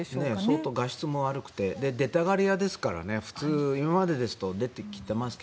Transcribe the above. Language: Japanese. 相当画質も悪くてで、出たりがり屋ですから普通、今までですと出てきていますが。